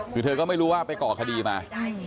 คือเธอก็ไม่รู้ว่าไปก่อคดีมา